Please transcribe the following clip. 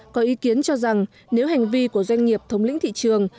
có ý kiến cho rằng nếu hành vi của doanh nghiệp thống lĩnh thị trường